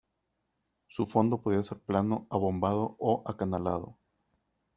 Su fondo podía ser plano, abombado o acanalado.